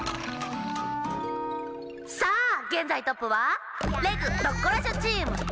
さあげんざいトップは「レグ・ドッコラショ」チーム。